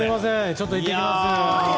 ちょっと行ってきます。